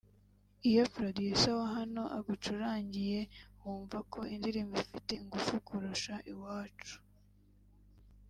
iyo Producer wa hano agucurangiye wumva ko indirimbo ifite ingufu kurusha iwacu